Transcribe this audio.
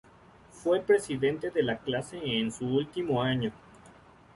Fue presidente de la clase en su último año.